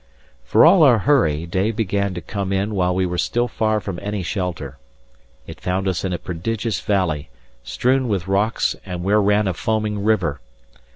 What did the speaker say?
For all our hurry, day began to come in while we were still far from any shelter. It found us in a prodigious valley, strewn with rocks and where ran a foaming river.